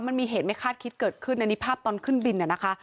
มันมีเหตุไม่คาดคิดเกิดขึ้นอันนี้ภาพตอนขึ้นบินนะคะ